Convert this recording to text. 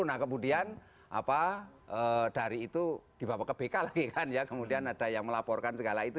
nah kemudian apa dari itu dibawa ke bk lagi kan ya kemudian ada yang melaporkan segala itu